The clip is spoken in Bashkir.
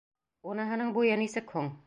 Уныһының буйы нисек һуң?